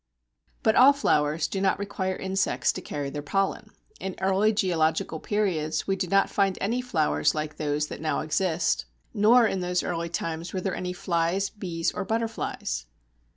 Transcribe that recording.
But all flowers do not require insects to carry their pollen. In early geological periods we do not find any flowers like those that now exist, nor in those early times were there any flies, bees, or butterflies.